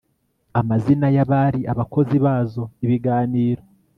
amazina y abari abakozi bazo ibiganiro